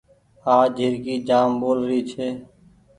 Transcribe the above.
آج جهرڪي جآم ٻول ري ڇي۔